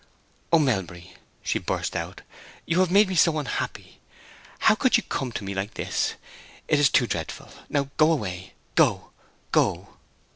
"Oh, Melbury," she burst out, "you have made me so unhappy! How could you come to me like this! It is too dreadful! Now go away—go, go!"